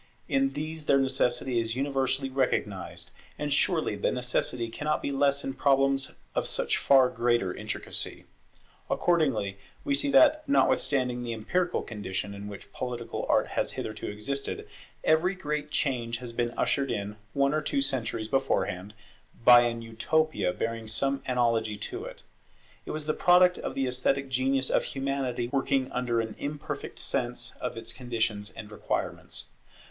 In these their necessity is universally recognized; and surely the necessity cannot be less in problems of such far greater intricacy. Accordingly we see that, notwithstanding the empirical condition in which political art has hitherto existed, every great change has been ushered in, one or two centuries beforehand, by an Utopia bearing some analogy to it. It was the product of the esthetic genius of Humanity working under an imperfect sense of its conditions and requirements.